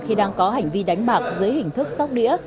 khi đang có hành vi đánh bạc dưới hình thức sóc đĩa